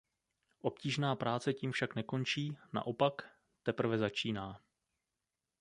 Obtížná práce tím však nekončí, naopak, teprve začíná.